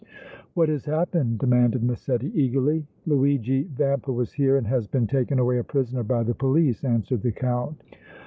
"What has happened?" demanded Massetti, eagerly. "Luigi Vampa was here and has been taken away a prisoner by the police," answered the Count.